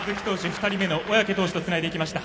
２人目の小宅投手とつないでいきました。